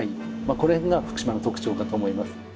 これが福島の特徴かと思います。